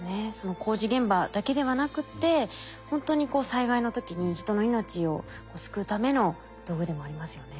工事現場だけではなくてほんとにこう災害の時に人の命を救うための道具でもありますよね。